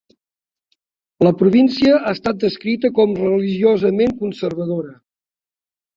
La província ha estat descrita com "religiosament conservadora".